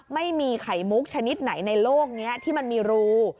ไม่มีไข่มุกชนิดไหนในโลกนี้ที่มันมีรู